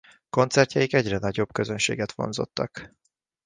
Koncertjeik egyre nagyobb közönséget vonzottak.